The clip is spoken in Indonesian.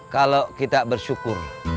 kalau kita bersyukur